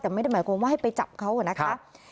แต่ไม่ได้หมายความว่าให้ไปจับเขานะคะ